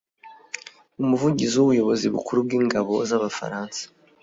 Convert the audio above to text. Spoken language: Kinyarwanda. Umuvugizi w’ubuyobozi bukuru bw’ingabo z’Abafaransa